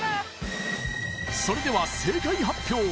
それでは正解発表